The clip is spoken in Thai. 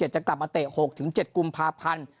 จะกลับมาเตะ๖๗กุมภาพันธ์